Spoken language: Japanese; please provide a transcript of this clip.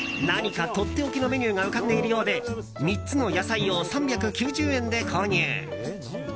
何かとっておきのメニューが浮かんでいるようで３つの野菜を３９０円で購入。